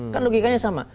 kan logikanya sama